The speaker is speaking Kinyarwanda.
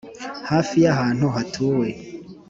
Hafi y ahantu hatuwe